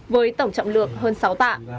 với tổng trọng lượng hơn sáu tạ